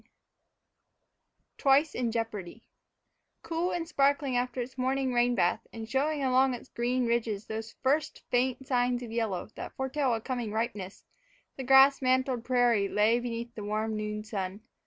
VII TWICE IN JEOPARDY COOL and sparkling after its morning rain bath, and showing along its green ridges those first, faint signs of yellow that foretell a coming ripeness, the grass mantled prairie lay beneath the warm noon sun.